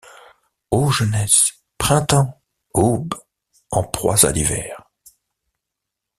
Ô jeunesse! printemps ! aube ! en proie à l’hiver !